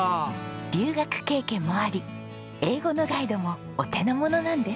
留学経験もあり英語のガイドもお手の物なんです。